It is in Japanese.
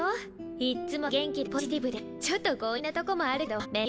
いっつも元気でポジティブでちょっと強引なとこもあるけど面倒